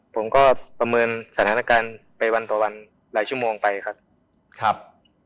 ผมก็ประเมินสถานการณ์ไปวันต่อวันหลายชั่วโมงไปครับ